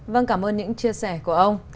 vâng cảm ơn những chia sẻ của ông